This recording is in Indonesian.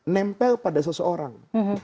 nempel pada seseorang